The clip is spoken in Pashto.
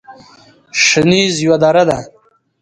شنیز یوه دره ده